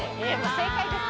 正解です。